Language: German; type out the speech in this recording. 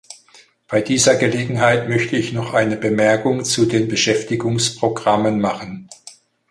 Bei dieser Gelegenheit möchte ich noch eine Bemerkung zu den Beschäftigungsprogrammen machen.